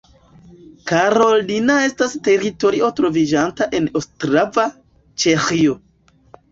Karolina estas teritorio troviĝanta en Ostrava, Ĉeĥio.